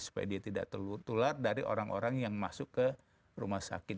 supaya dia tidak tertular dari orang orang yang masuk ke rumah sakit